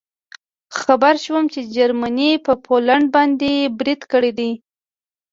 خبر شوو چې جرمني په پولنډ باندې برید کړی دی